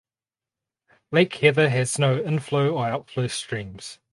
Lake Heather has no inflow or outflow streams.